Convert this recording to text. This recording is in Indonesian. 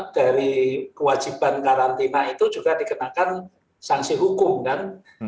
dari kewajiban karantina itu juga dikenakan sanksi hukum kan